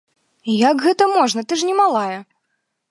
Як гэта можна, ты ж не малая!